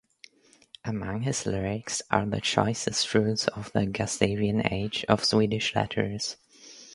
Among his lyrics are the choicest fruits of the Gustavian age of Swedish letters.